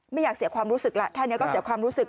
ไม่อยากเสียความรู้สึกละแค่นี้ก็เสียความรู้สึก